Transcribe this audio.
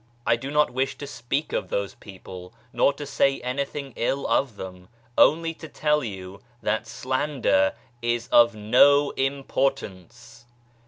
I do not wish to speak of those people nor to say anything ill of them only to tell you that slander is of Ho importance I